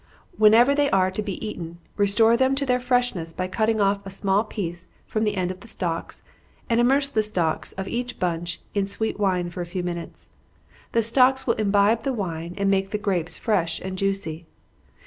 Whenever they are to be eaten, restore them to their freshness by cutting off a small piece from the end of the stalks, and immerse the stalks of each bunch in sweet wine for a few minutes. The stalks will imbibe the wine, and make the grapes fresh and juicy.